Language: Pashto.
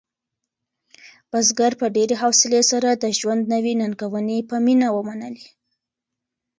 بزګر په ډېرې حوصلې سره د ژوند نوې ننګونې په مینه ومنلې.